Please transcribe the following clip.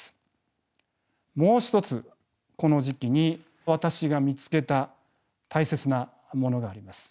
もう一つこの時期に私が見つけた大切なものがあります。